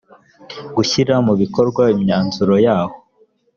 gushyira mu bikorwa imyanzuro yaho